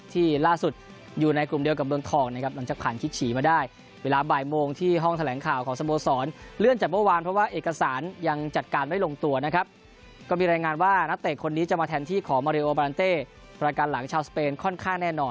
ที่ล่าสุดอยู่ในกลุ่มเดียวกับเมืองทองนะครับมันจะผ่านคิดฉีมาได้